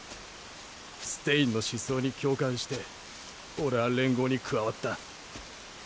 ステインの思想に共感して俺は連合に加わった。